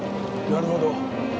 なるほど。